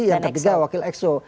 yang ketiga wakil exo